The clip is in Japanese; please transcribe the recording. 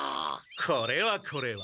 これはこれは。